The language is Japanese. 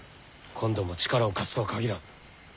今度も力を貸すとは限らん。